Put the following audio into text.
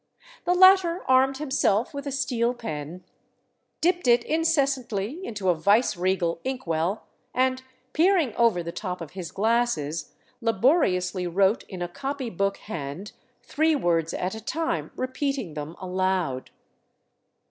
The latter armed himself with a steel pen, dipped it incessantly into a viceregal ink well, and peering over the top of his glasses, laboriously wrote in a copy book hand three words at a time, repeating them aloud.